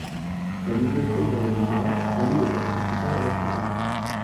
La bibliothèque dans l'aile nord, relie le corps principal à la chapelle.